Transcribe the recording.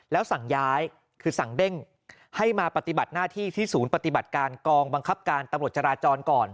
แล้วสั่งย้ายคือสั่งเด้งให้มาปฏิบัติหน้าที่ที่ศูนย์ปฏิบัติการกองบังคับการตำรวจจราจรก่อน